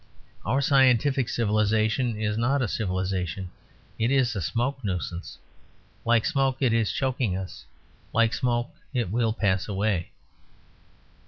Our scientific civilisation is not a civilisation; it is a smoke nuisance. Like smoke it is choking us; like smoke it will pass away.